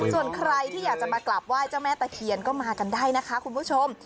ส่วนใครที่อยากจะมากราบไหว้เจ้าแม่ตะเคียนก็มากันได้นะคะคุณผู้ชม